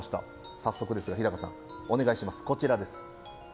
早速ですが日高さん、お願いします！